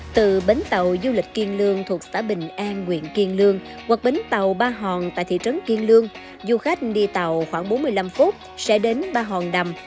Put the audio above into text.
từ bến tàu du lịch kiên lương thuộc xã bình an nguyện kiên lương hoặc bến tàu ba hòn tại thị trấn kiên lương du khách đi tàu khoảng bốn mươi năm phút sẽ đến ba hòn đầm